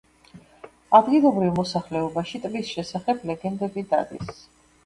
ადგილობრივ მოსახლეობაში ტბის შესახებ ლეგენდები დადის.